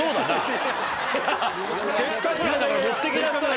せっかくなんだから持っていきなさい！